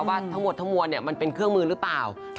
ว่าทั้งหมดทั้งมวลมันเป็นเครื่องมือหรือเปล่า